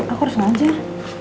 aku harus ngajar